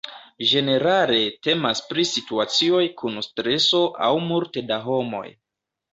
Ĝenerale temas pri situacioj kun streso aŭ multe da homoj.